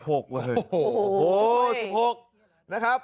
โอ้โห๑๖นะครับ